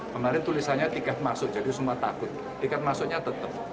kemarin tulisannya tiket masuk jadi semua takut tiket masuknya tetap